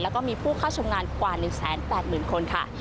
แล้วก็มีผู้เข้าชมงานกว่า๑๘๐๐๐คนค่ะ